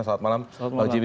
selamat malam jimmy